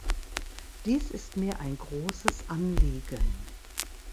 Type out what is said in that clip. Dies ist mir ein großes Anliegen.